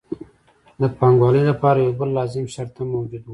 د پانګوالۍ لپاره یو بل لازم شرط هم موجود وو